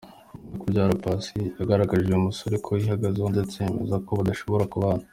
Nyuma yo kubyara Paccy yagaragarije uyu musore ko yihagazeho ndetse yemeza ko badashobora kubana.